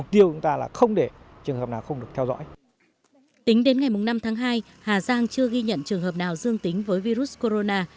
tính đến ngày năm tháng hai hà giang chưa ghi nhận trường hợp nào dương tính với virus corona